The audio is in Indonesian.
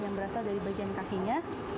yang berasal dari bagian kakinya